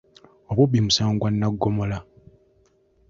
Obubbi musango gwa nnaggomola.